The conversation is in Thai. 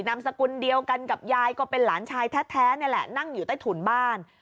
นามสกุลเดียวกันกับยายก็เป็นหลานชายแท้นี่แหละนั่งอยู่ใต้ถุนบ้าน